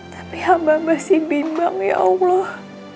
tapi hamba masih bimbang ya allah